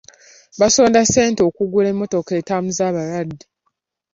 Basonda ssente kugula mmotoka etambuza abalwadde.